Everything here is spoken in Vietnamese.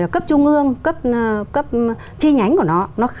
cấp trung ương cấp chi nhánh của nó